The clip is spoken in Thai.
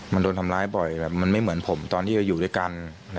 มันโดนทำร้ายบ่อยแบบมันไม่เหมือนผมตอนที่จะอยู่ด้วยกัน